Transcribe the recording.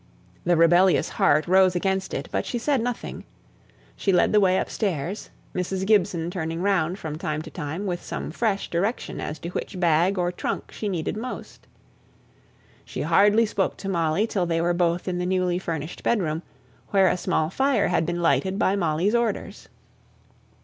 The rebellious heart rose against it, but she said nothing. She led the way upstairs, Mrs. Gibson turning round, from time to time, with some fresh direction as to which bag or trunk she needed most. She hardly spoke to Molly till they were both in the newly furnished bedroom, where a small fire had been lighted by Molly's orders.